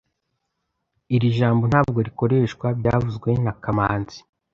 Iri jambo ntabwo rikoreshwa byavuzwe na kamanzi